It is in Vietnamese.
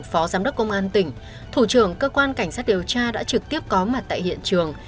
phó giám đốc công an tỉnh thủ trưởng cơ quan cảnh sát điều tra đã trực tiếp có mặt tại hiện trường